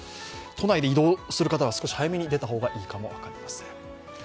都内で移動する方は少し早めに出た方がいいかもしれません。